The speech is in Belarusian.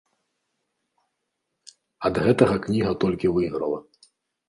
Ад гэтага кніга толькі выйграла.